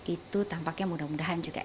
itu tampaknya mudah mudahan juga